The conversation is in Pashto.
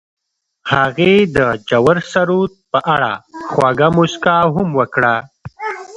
هغې د ژور سرود په اړه خوږه موسکا هم وکړه.